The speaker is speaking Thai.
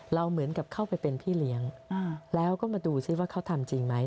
แล้วก็เป็นพี่เลี้ยงแล้วก็มาดูซิว่าเขาทำจริงไหม